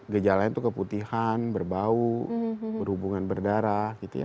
kejala nya itu keputihan berbau berhubungan berdarah gitu ya